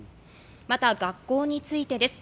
また学校についてです。